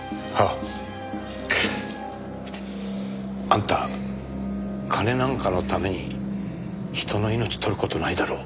あんた金なんかのために人の命取る事ないだろ。